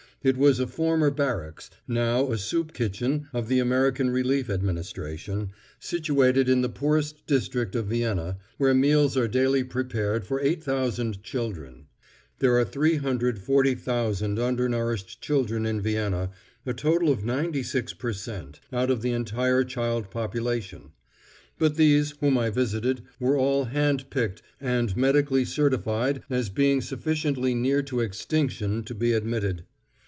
It was a former barracks, now a soup kitchen of the American Relief Administration, situated in the poorest district of Vienna, where meals are daily prepared for 8000 children. There are 340,000 undernourished children in Vienna—a total of 96 per cent, out of the entire child population. But these, whom I visited, were all hand picked and medically certified as being sufficiently near to extinction to be admitted.